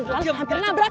udah hampir nabrak